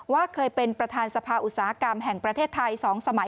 เคยเป็นประธานสภาอุตสาหกรรมแห่งประเทศไทย๒สมัย